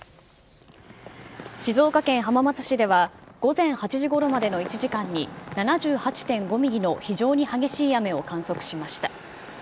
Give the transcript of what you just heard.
静岡県浜松市では、午前８時ごろまでの１時間に７８．５ミリの非常に激しい雨を観測しました。